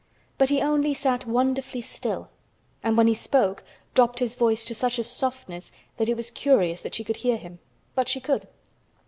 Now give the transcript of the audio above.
But he only sat wonderfully still, and when he spoke dropped his voice to such a softness that it was curious that she could hear him, but she could.